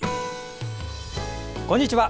こんにちは。